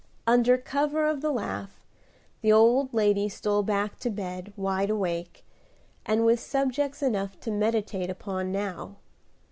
Under cover of the laugh, the old lady stole back to bed, wide awake, and with subjects enough to meditate upon now.